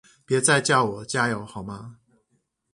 別再叫我加油好嗎？